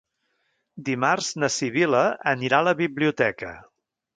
Dimarts na Sibil·la anirà a la biblioteca.